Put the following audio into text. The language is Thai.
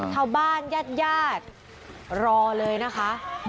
ชาวบ้านญาติญาติรอเลยนะคะ